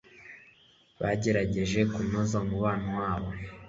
bagerageje kunoza umubano wabo